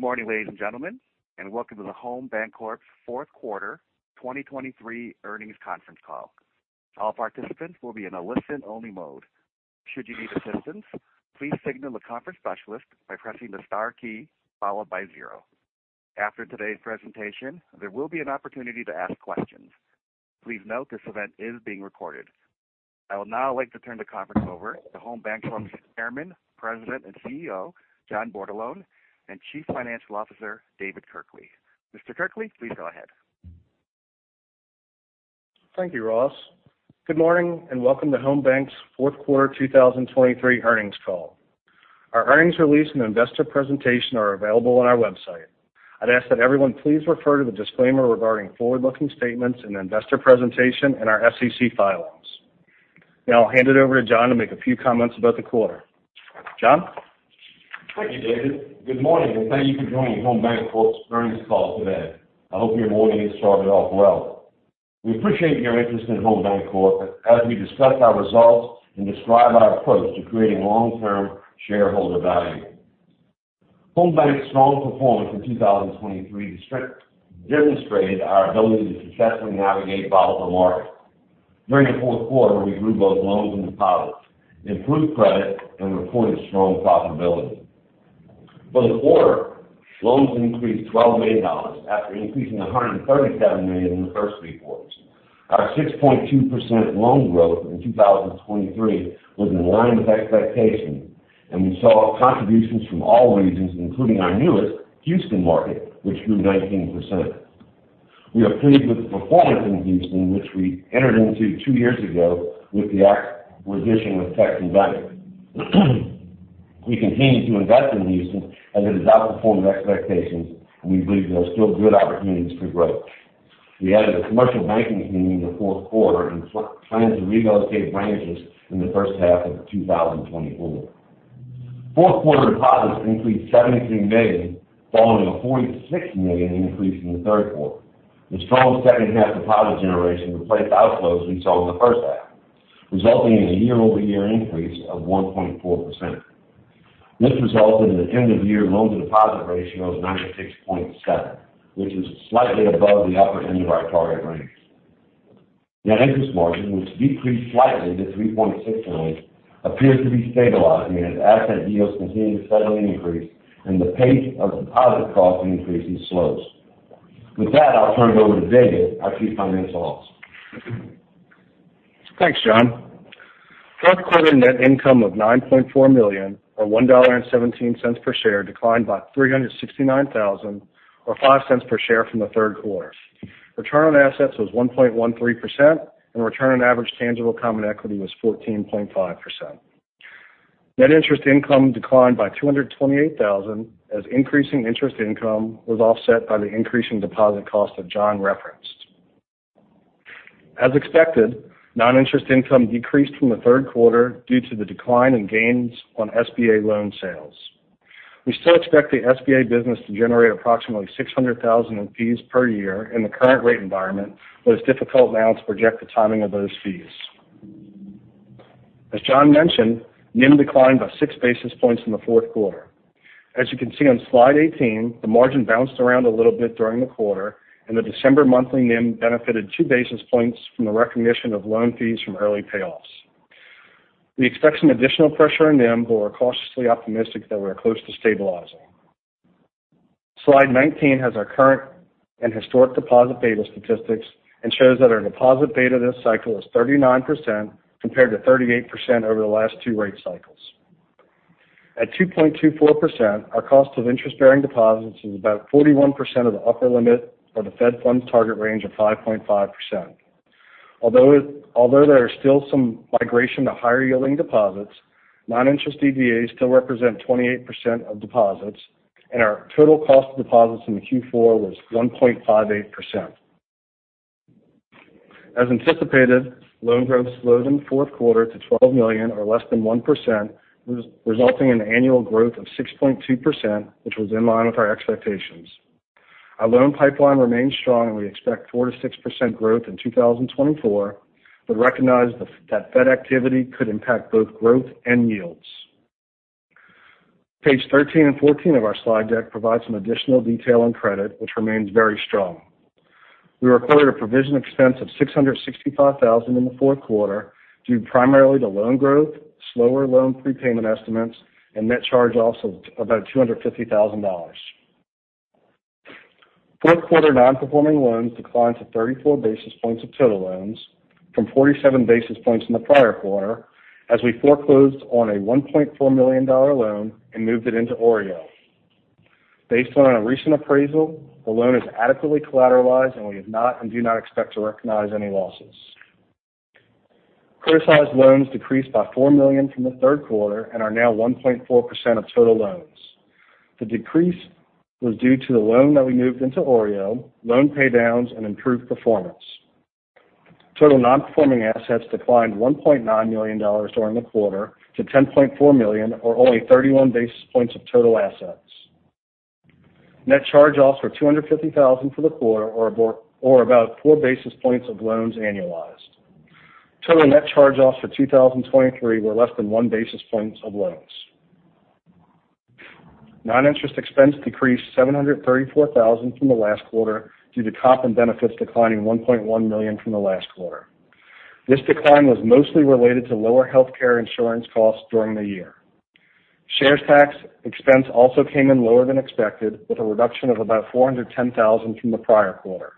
Good morning, ladies and gentlemen, and welcome to the Home Bancorp's fourth quarter 2023 earnings conference call. All participants will be in a listen-only mode. Should you need assistance, please signal the conference specialist by pressing the star key, followed by zero. After today's presentation, there will be an opportunity to ask questions. Please note, this event is being recorded. I would now like to turn the conference over to Home Bancorp's Chairman, President, and CEO, John Bordelon, and Chief Financial Officer, David Kirkley. Mr. Kirkley, please go ahead. Thank you, Ross. Good morning, and welcome to Home Bank's fourth quarter 2023 earnings call. Our earnings release and investor presentation are available on our website. I'd ask that everyone please refer to the disclaimer regarding forward-looking statements in the investor presentation and our SEC filings. Now, I'll hand it over to John to make a few comments about the quarter. John? Thank you, David. Good morning, and thank you for joining Home Bancorp's earnings call today. I hope your morning started off well. We appreciate your interest in Home Bancorp as we discuss our results and describe our approach to creating long-term shareholder value. Home Bank's strong performance in 2023 demonstrated our ability to successfully navigate a volatile market. During the fourth quarter, we grew both loans and deposits, improved credit, and reported strong profitability. For the quarter, loans increased $12 million, after increasing to $137 million in the first three quarters. Our 6.2% loan growth in 2023 was in line with expectations, and we saw contributions from all regions, including our newest Houston market, which grew 19%. We are pleased with the performance in Houston, which we entered into two years ago with the acquisition with Texan Bank. We continue to invest in Houston, as it has outperformed expectations, and we believe there are still good opportunities for growth. We added a commercial banking team in the fourth quarter and plan to relocate branches in the first half of 2024. Fourth quarter deposits increased $73 million, following a $46 million increase in the third quarter. The strong second half deposit generation replaced outflows we saw in the first half, resulting in a year-over-year increase of 1.4%. This resulted in an end-of-year loan-to-deposit ratio of 96.7, which is slightly above the upper end of our target range. Net interest margin, which decreased slightly to 3.69%, appears to be stabilizing as asset yields continue to steadily increase and the pace of deposit cost increases slows. With that, I'll turn it over to David, our Chief Financial Officer. Thanks, John. Fourth quarter net income of $9.4 million, or $1.17 per share, declined by $369,000, or $0.05 per share from the third quarter. Return on assets was 1.13%, and return on average tangible common equity was 14.5%. Net interest income declined by $228,000, as increasing interest income was offset by the increasing deposit cost that John referenced. As expected, noninterest income decreased from the third quarter due to the decline in gains on SBA loan sales. We still expect the SBA business to generate approximately $600,000 in fees per year in the current rate environment, though it's difficult now to project the timing of those fees. As John mentioned, NIM declined by six basis points in the fourth quarter. As you can see on slide 18, the margin bounced around a little bit during the quarter, and the December monthly NIM benefited two basis points from the recognition of loan fees from early payoffs. We expect some additional pressure on NIM, but we're cautiously optimistic that we're close to stabilizing. Slide 19 has our current and historic deposit beta statistics and shows that our deposit beta this cycle is 39%, compared to 38% over the last two rate cycles. At 2.24%, our cost of interest-bearing deposits is about 41% of the upper limit or the Fed funds target range of 5.5%. Although there is still some migration to higher-yielding deposits, non-interest DDAs still represent 28% of deposits, and our total cost of deposits in the Q4 was 1.58%. As anticipated, loan growth slowed in the fourth quarter to $12 million or less than 1%, resulting in annual growth of 6.2%, which was in line with our expectations. Our loan pipeline remains strong, and we expect 4%-6% growth in 2024, but recognize that Fed activity could impact both growth and yields. Page 13 and 14 of our slide deck provide some additional detail on credit, which remains very strong. We recorded a provision expense of $665,000 in the fourth quarter, due primarily to loan growth, slower loan prepayment estimates, and net charge-offs of about $250,000. Fourth quarter non-performing loans declined to 34 basis points of total loans from 47 basis points in the prior quarter, as we foreclosed on a $1.4 million loan and moved it into OREO. Based on a recent appraisal, the loan is adequately collateralized, and we have not and do not expect to recognize any losses. Criticized loans decreased by $4 million from the third quarter and are now 1.4% of total loans. The decrease was due to the loan that we moved into OREO, loan paydowns, and improved performance. Total non-performing assets declined $1.9 million during the quarter to $10.4 million, or only 31 basis points of total assets. Net charge-offs were $250,000 for the quarter, or about four basis points of loans annualized. Total net charge-offs for 2023 were less than 1 basis points of loans. Non-interest expense decreased $734,000 from the last quarter due to comp and benefits declining $1.1 million from the last quarter. This decline was mostly related to lower healthcare insurance costs during the year. Shares tax expense also came in lower than expected, with a reduction of about $410,000 from the prior quarter.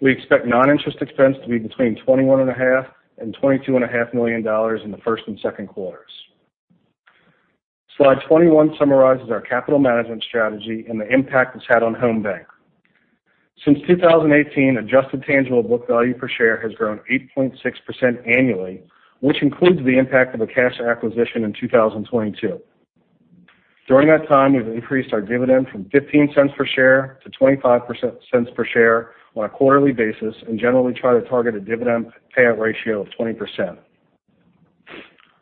We expect non-interest expense to be between $21.5 million and $22.5 million in the first and second quarters. Slide 21 summarizes our capital management strategy and the impact it's had on Home Bank. Since 2018, adjusted tangible book value per share has grown 8.6% annually, which includes the impact of a cash acquisition in 2022. During that time, we've increased our dividend from $0.15 per share to $0.25 cents per share on a quarterly basis, and generally try to target a dividend payout ratio of 20%.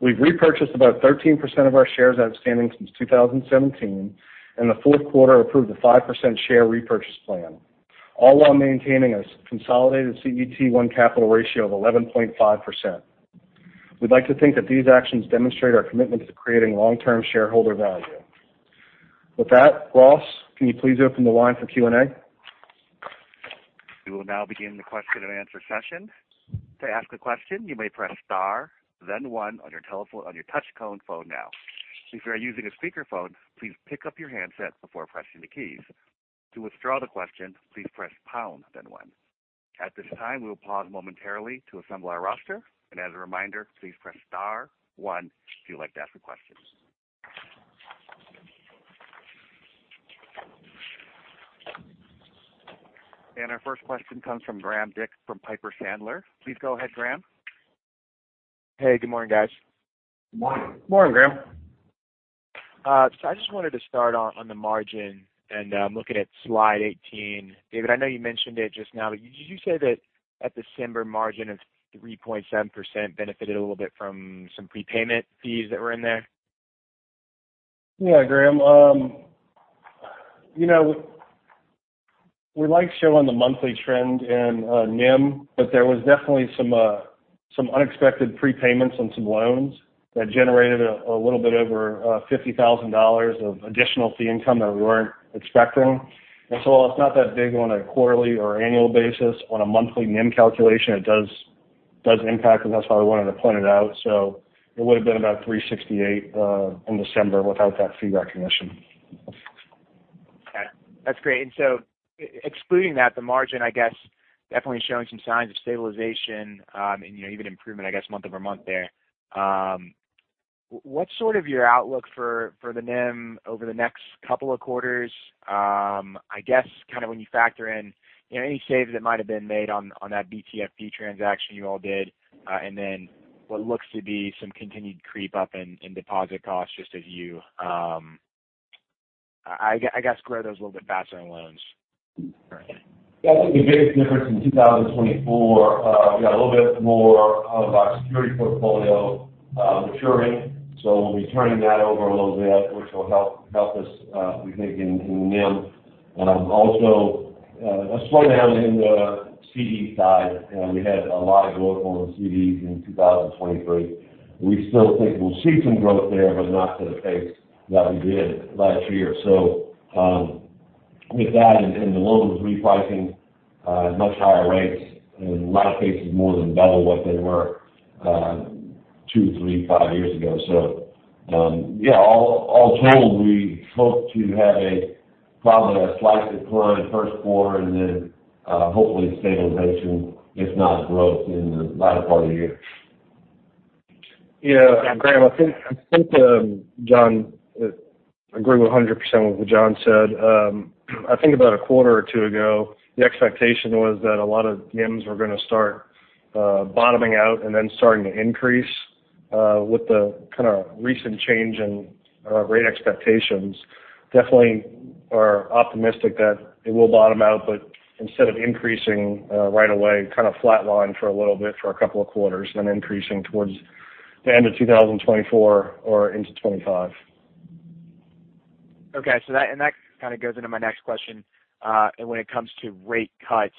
We've repurchased about 13% of our shares outstanding since 2017, and the fourth quarter approved a 5% share repurchase plan, all while maintaining a consolidated CET1 capital ratio of 11.5%. We'd like to think that these actions demonstrate our commitment to creating long-term shareholder value. With that, Ross, can you please open the line for Q&A? We will now begin the question-and-answer session. To ask a question, you may press star, then one on your telephone, on your touchtone phone now. If you are using a speakerphone, please pick up your handset before pressing the keys. To withdraw the question, please press pound then one. At this time, we will pause momentarily to assemble our roster. As a reminder, please press star one if you'd like to ask a question. Our first question comes from Graham Dick, from Piper Sandler. Please go ahead, Graham. Hey, good morning guys. Good morning. Morning, Graham. I just wanted to start on the margin and looking at slide 18. David, I know you mentioned it just now, but did you say that the December margin of 3.7% benefited a little bit from some prepayment fees that were in there? Yeah, Graham. You know, we like showing the monthly trend in NIM, but there was definitely some unexpected prepayments on some loans that generated a little bit over $50,000 of additional fee income that we weren't expecting. And so while it's not that big on a quarterly or annual basis, on a monthly NIM calculation, it does impact, and that's why I wanted to point it out. So it would have been about 368 in December without that fee recognition. Okay, that's great. And so excluding that, the margin, I guess, definitely showing some signs of stabilization, and, you know, even improvement, I guess, month-over-month there. What's sort of your outlook for, for the NIM over the next couple of quarters? I guess, kind of when you factor in, you know, any saves that might have been made on, on that BTFP transaction you all did, and then what looks to be some continued creep up in, in deposit costs, just as you, I guess, grow those a little bit faster than loans. Yeah, I think the biggest difference in 2024, we got a little bit more out of our securities portfolio maturing, so we'll be turning that over a little bit, which will help, help us, we think, in, in NIM. Also, a slowdown in the CD side. You know, we had a lot of growth on the CDs in 2023. We still think we'll see some growth there, but not to the pace that we did last year. So, with that and, and the loans repricing at much higher rates, in a lot of cases more than double what they were, two, three, five years ago. So, yeah, all, all told, we hope to have probably a slight decline in first quarter and then, hopefully stabilization, if not growth, in the latter part of the year. Yeah, Graham, I think, John, I agree 100% with what John said. I think about a quarter or two ago, the expectation was that a lot of NIMs were going to start bottoming out and then starting to increase with the kind of recent change in rate expectations. Definitely are optimistic that it will bottom out, but instead of increasing right away, kind of flatline for a little bit for a couple of quarters, and then increasing towards the end of 2024 or into 2025. Okay, so that and that kind of goes into my next question, when it comes to rate cuts.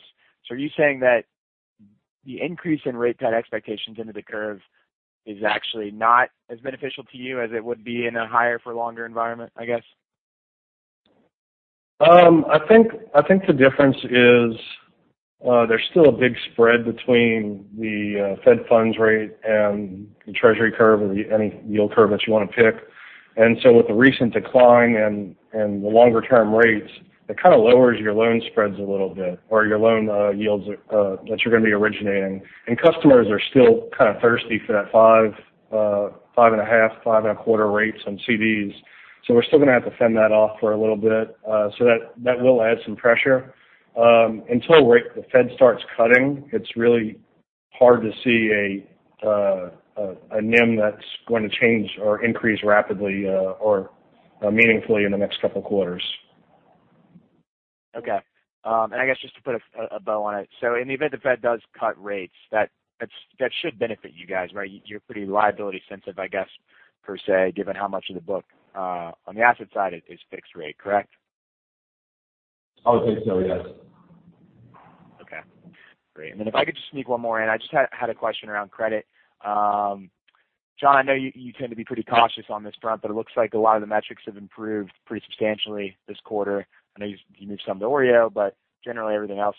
So are you saying that the increase in rate cut expectations into the curve is actually not as beneficial to you as it would be in a higher for longer environment, I guess? I think the difference is, there's still a big spread between the Fed Funds Rate and the Treasury curve or any yield curve that you want to pick. And so with the recent decline and the longer-term rates, it kind of lowers your loan spreads a little bit or your loan yields that you're going to be originating. And customers are still kind of thirsty for that 5, 5.5, 5.25 rates on CDs. So we're still going to have to fend that off for a little bit, so that will add some pressure. Until the Fed starts cutting, it's really hard to see a NIM that's going to change or increase rapidly or meaningfully in the next couple of quarters. Okay. I guess just to put a bow on it. In the event the Fed does cut rates, that should benefit you guys, right? You're pretty liability sensitive, I guess, per se, given how much of the book on the asset side is fixed rate, correct? I would think so, yes. Okay, great. And then if I could just sneak one more in, I just had a question around credit. John, I know you tend to be pretty cautious on this front, but it looks like a lot of the metrics have improved pretty substantially this quarter. I know you moved some to OREO, but generally, everything else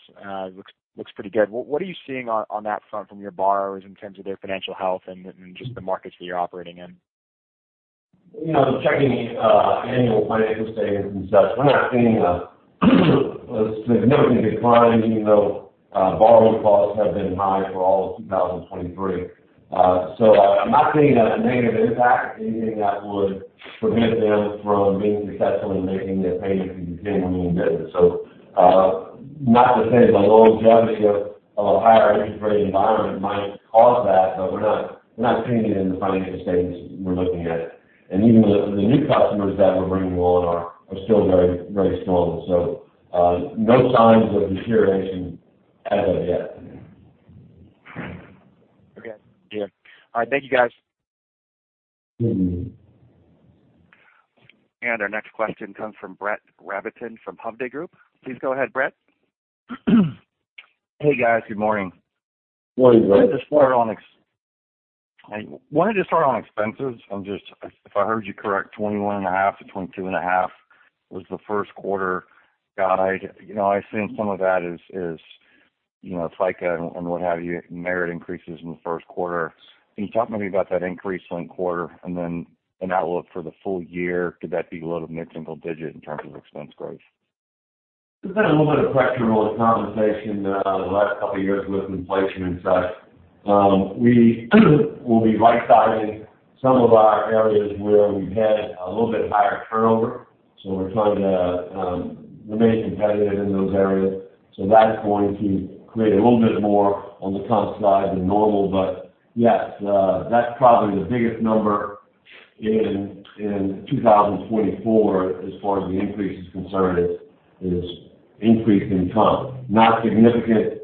looks pretty good. What are you seeing on that front from your borrowers in terms of their financial health and just the markets that you're operating in? You know, checking annual financial statements and such, we're not seeing a significant decline, even though borrowing costs have been high for all of 2023. So I'm not seeing a negative impact, anything that would prevent them from being successful in making their payments and continuing business. So, not to say the low longevity of a higher interest rate environment might cause that, but we're not seeing it in the financial statements we're looking at. And even the new customers that we're bringing on are still very, very strong. So, no signs of deterioration as of yet. Okay. Yeah. All right, thank you, guys. Our next question comes from Brett Rabatin from Hovde Group. Please go ahead, Brett. Hey, guys. Good morning. Morning, Brett. I wanted to start on expenses. If I heard you correctly, 21.5-22.5 was the first quarter guide. You know, I assume some of that is, you know, FICA and what have you, merit increases in the first quarter. Can you talk to me about that increase quarter-over-quarter and then an outlook for the full year? Could that be a little bit of mid-single-digit in terms of expense growth? There's been a little bit of pressure on compensation, the last couple of years with inflation and such. We will be right-sizing some of our areas where we've had a little bit higher turnover, so we're trying to remain competitive in those areas. So that's going to create a little bit more on the comp side than normal. But yes, that's probably the biggest number in 2024 as far as the increase is concerned, is increase in comp. Not significant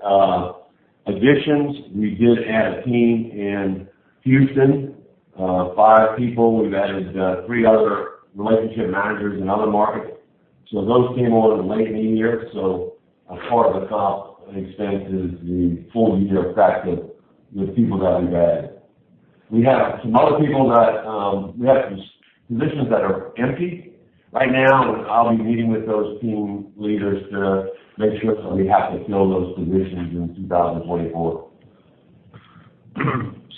additions. We did add a team in Houston, five people. We've added three other relationship managers in other markets. So those came on in late in the year. So a part of the comp expense is the full year effect of the people that we've added. We have some other people that, we have some positions that are empty right now, and I'll be meeting with those team leaders to make sure that we have to fill those positions in 2024.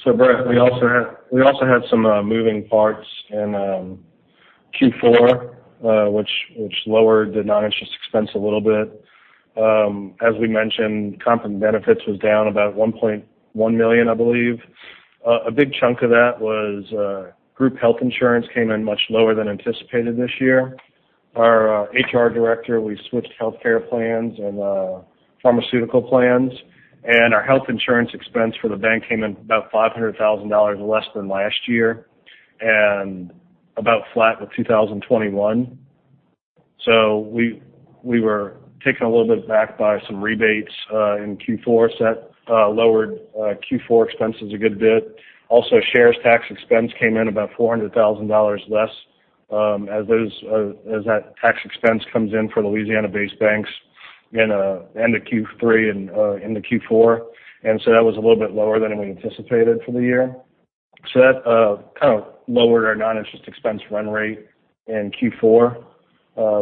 So Brett, we also had some moving parts in Q4, which lowered the non-interest expense a little bit. As we mentioned, comp and benefits was down about $1.1 million, I believe. A big chunk of that was group health insurance came in much lower than anticipated this year. Our HR director, we switched healthcare plans and pharmaceutical plans, and our health insurance expense for the bank came in about $500,000 less than last year and about flat with 2021. So we were taken a little bit back by some rebates in Q4. So that lowered Q4 expenses a good bit. Also, Shares Tax expense came in about $400,000 less, as that tax expense comes in for the Louisiana-based banks in end of Q3 and into Q4. And so that was a little bit lower than we anticipated for the year. So that kind of lowered our noninterest expense run rate in Q4.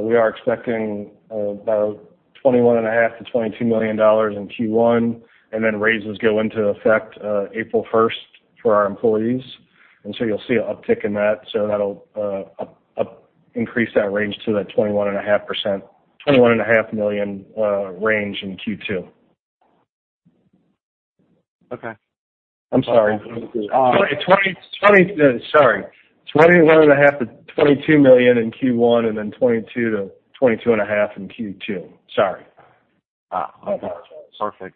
We are expecting about $21.5 million-$22 million in Q1, and then raises go into effect April first for our employees. And so you'll see an uptick in that. So that'll increase that range to that $21.5 million range in Q2. Okay. I'm sorry. $21.5 million-$22 million in Q1, and then $22 million-$22.5 million in Q2. Sorry. Ah, okay. Perfect.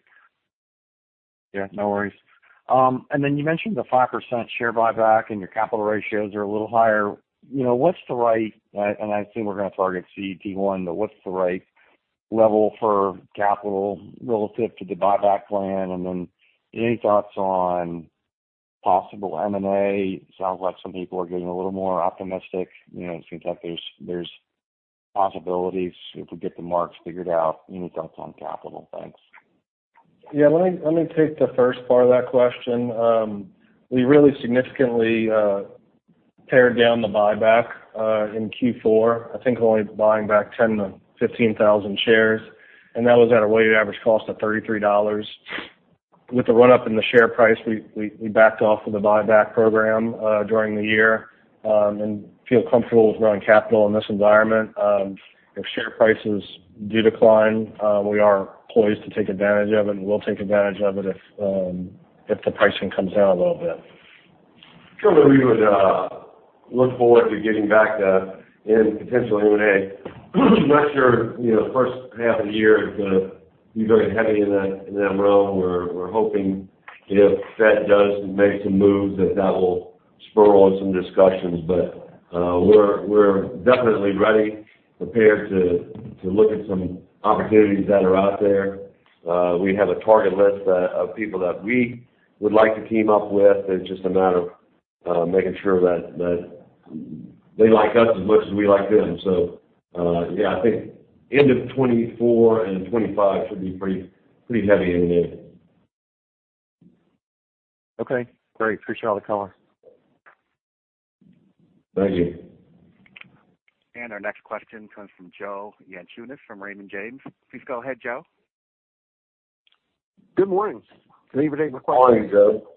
Yeah, no worries. And then you mentioned the 5% share buyback and your capital ratios are a little higher. You know, what's the right and I assume we're going to target CET1, but what's the right level for capital relative to the buyback plan? And then any thoughts on possible M&A? Sounds like some people are getting a little more optimistic. You know, it seems like there's, there's possibilities if we get the marks figured out. Any thoughts on capital? Thanks. Yeah, let me take the first part of that question. We really significantly pared down the buyback in Q4. I think we're only buying back 10-15,000 shares, and that was at a weighted average cost of $33. With the run-up in the share price, we backed off of the buyback program during the year, and feel comfortable with growing capital in this environment. If share prices do decline, we are poised to take advantage of it and will take advantage of it if the pricing comes down a little bit. Sure, we would look forward to getting back to and potentially M&A. I'm not sure, you know, the first half of the year is going to be very heavy in that realm. We're hoping if Fed does make some moves, that that will spur on some discussions. But, we're definitely ready, prepared to look at some opportunities that are out there. We have a target list of people that we would like to team up with. It's just a matter of making sure that, that-... they like us as much as we like them. So, yeah, I think end of 2024 and 2025 should be pretty, pretty heavy in there. Okay, great. Appreciate all the color. Thank you. And our next question comes from Joe Yanchunis from Raymond James. Please go ahead, Joe. Good morning. Can you hear me? Morning, Joe.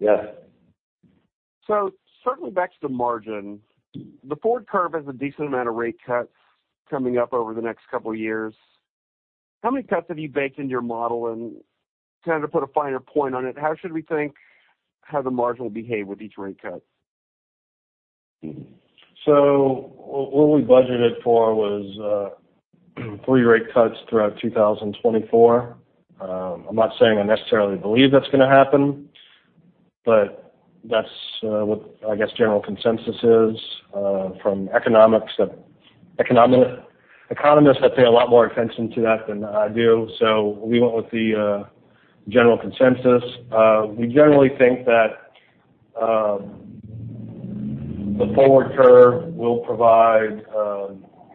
Yes. Certainly back to the margin. The forward curve has a decent amount of rate cuts coming up over the next couple of years. How many cuts have you baked into your model? And kind of to put a finer point on it, how should we think how the margin will behave with each rate cut? So what we budgeted for was three rate cuts throughout 2024. I'm not saying I necessarily believe that's going to happen, but that's what, I guess, general consensus is from economists that pay a lot more attention to that than I do. So we went with the general consensus. We generally think that the forward curve will provide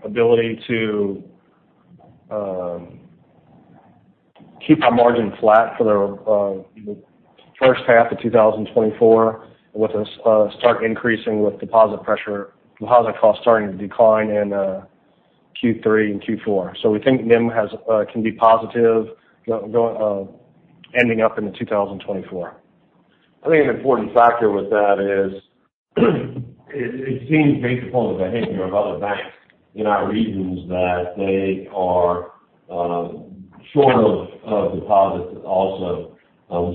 ability to keep our margin flat for the first half of 2024, with a start increasing with deposit pressure, deposit costs starting to decline in Q3 and Q4. So we think NIM can be positive ending up in 2024. I think an important factor with that is, it seems based upon the behavior of other banks in our regions, that they are short of deposits also.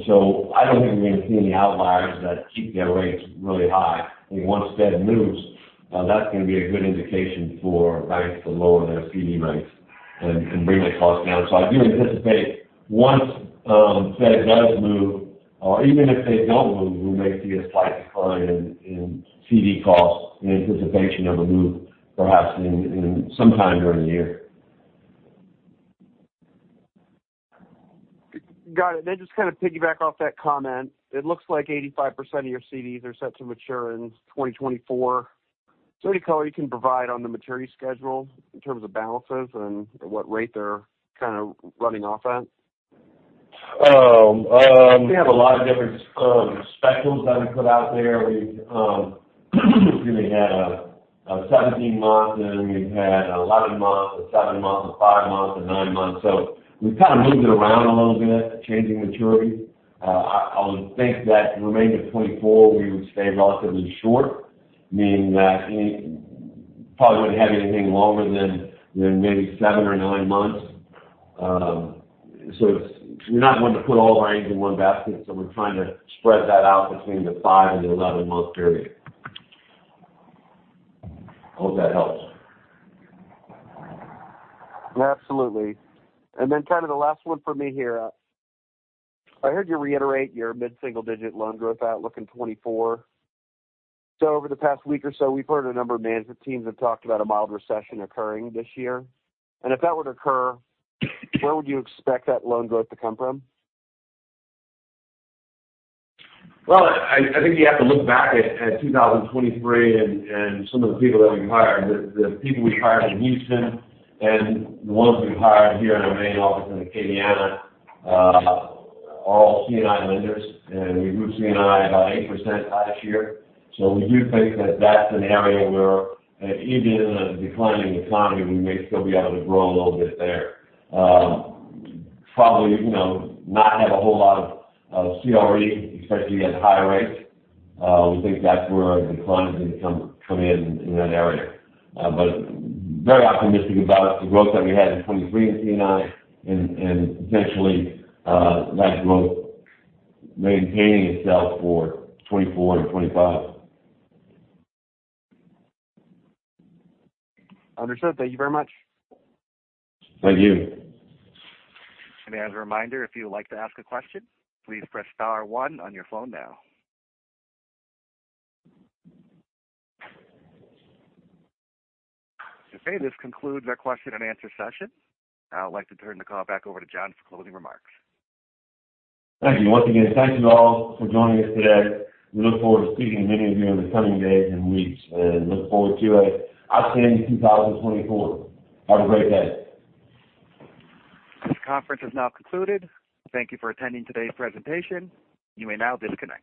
So I don't think we're going to see any outliers that keep their rates really high. Once Fed moves, that's going to be a good indication for banks to lower their CD rates and bring their costs down. So I do anticipate once Fed does move or even if they don't move, we may see a slight decline in CD costs in anticipation of a move, perhaps in sometime during the year. Got it. Then just kind of piggyback off that comment. It looks like 85% of your CDs are set to mature in 2024. So any color you can provide on the maturity schedule in terms of balances and at what rate they're kind of running off at? We have a lot of different schedules that we put out there. We've really had a 17-month, and we've had an 11-month, a seven-month, a five-month, a nine-month. So we've kind of moved it around a little bit, changing maturity. I would think that the remainder of 2024, we would stay relatively short, meaning that we probably wouldn't have anything longer than maybe seven or nine months. So we're not going to put all our eggs in one basket, so we're trying to spread that out between the five and the 11-month period. Hope that helps. Absolutely. And then kind of the last one for me here. I heard you reiterate your mid-single-digit loan growth outlook in 2024. So over the past week or so, we've heard a number of management teams have talked about a mild recession occurring this year. And if that were to occur, where would you expect that loan growth to come from? Well, I think you have to look back at 2023 and some of the people that we hired. The people we hired in Houston and the ones we hired here in our main office in Acadiana are all C&I lenders, and we grew C&I about 8% last year. So we do think that that's an area where even in a declining economy, we may still be able to grow a little bit there. Probably, you know, not have a whole lot of CRE, especially at high rates. We think that's where declines can come in that area. But very optimistic about the growth that we had in 2023 in C&I and potentially that growth maintaining itself for 2024 and 2025. Understood. Thank you very much. Thank you. As a reminder, if you'd like to ask a question, please press star one on your phone now. Okay, this concludes our question and answer session. I would like to turn the call back over to John for closing remarks. Thank you. Once again, thank you all for joining us today. We look forward to speaking with many of you in the coming days and weeks, and look forward to an outstanding 2024. Have a great day. This conference is now concluded. Thank you for attending today's presentation. You may now disconnect.